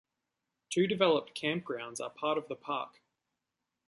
Two developed campgrounds are part of the park.